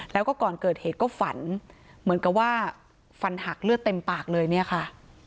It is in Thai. แล้วก็ก่อนเกิดเหตุก็ฝันเหมือนกับว่าฟันหักเลือดเต็มปากเลยเนี่ยค่ะ